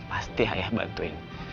pasti ayah bantuin